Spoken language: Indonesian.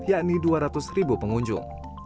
yakni dua ratus ribu pengunjung